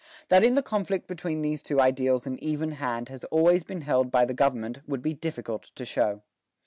That in the conflict between these two ideals an even hand has always been held by the government would be difficult to show.